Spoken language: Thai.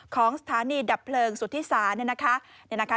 ของสถานีดับเพลิงสุธิศาเนี่ยนะคะ